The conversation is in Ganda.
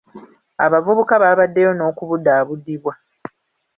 Abavubuka baabaddeyo n'okubudaabudibwa.